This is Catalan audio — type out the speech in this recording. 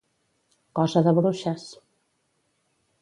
Cosa de bruixes.